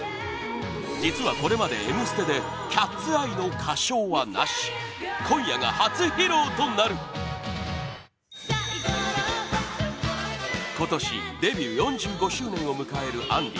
実はこれまで「Ｍステ」で「ＣＡＴ’ＳＥＹＥ」の歌唱はなし今夜が初披露となる今年デビュー４５周年を迎える杏里